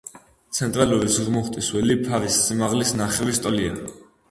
ცენტრალური ზურმუხტის ველი ფარის სიმაღლის ნახევრის ტოლია.